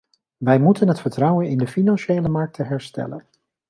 Wij moeten het vertrouwen in de financiële markten herstellen.